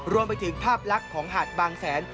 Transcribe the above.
รวมไปถึงภาพลักษณ์ของหาดบางแสน